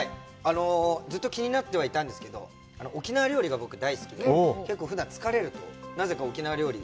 ずっと気になってはいたんですけど、沖縄料理が僕大好きで、結構ふだん、疲れると、なぜか沖縄料理。